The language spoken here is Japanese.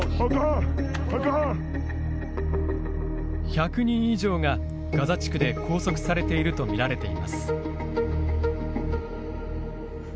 １００人以上がガザ地区で拘束されていると見られています。